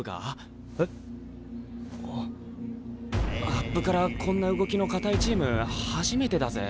アップからこんな動きの硬いチーム初めてだぜ。